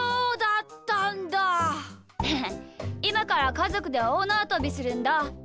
いまからかぞくでおおなわとびするんだ。